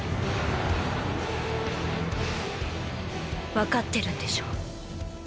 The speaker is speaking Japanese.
わかってるんでしょ？